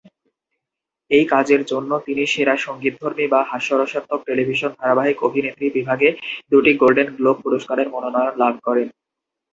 এই কাজের জন্য তিনি সেরা সঙ্গীতধর্মী বা হাস্যরসাত্মক টেলিভিশন ধারাবাহিক অভিনেত্রী বিভাগে দুটি গোল্ডেন গ্লোব পুরস্কারের মনোনয়ন লাভ করেন।